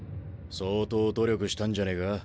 相当努力したんじゃねえか？